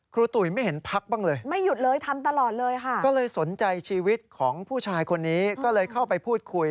ครูตุ๋ยไม่เห็นพักบ้างเลยสนใจชีวิตของผู้ชายคนนี้ก็เลยเข้าไปพูดคุย